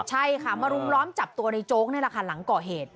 ใช่ค่ะมารุมล้อมจับตัวในโจ๊กนี่แหละค่ะหลังก่อเหตุ